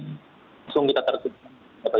langsung kita tertipkan